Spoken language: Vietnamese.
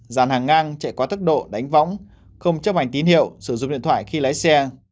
dàn hàng ngang chạy quá tốc độ đánh võng không chấp hành tín hiệu sử dụng điện thoại khi lái xe